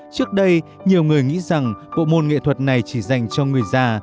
trước đây nhiều người nghĩ rằng bộ môn nghệ thuật này chỉ dành cho người già